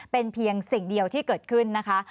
เป็นเพียงสิ่งเดียวที่เกิดขึ้นนะคะ